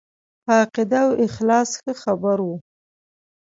په عقیده او اخلاص ښه خبر وو.